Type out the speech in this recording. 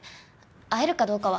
会えるかどうかは。